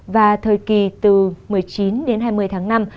và thời kỳ từ một mươi chín đến hai mươi tháng năm